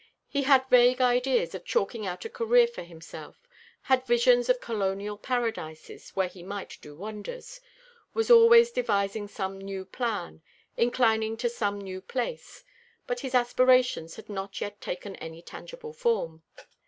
He had vague ideas of chalking out a career for himself; had visions of colonial paradises, where he might do wonders; was always devising some new plan, inclining to some new place; but his aspirations had not yet taken any tangible form.